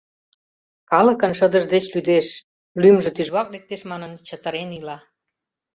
Калыкын шыдыж деч лӱдеш, лӱмжӧ тӱжвак лектеш манын, чытырен ила.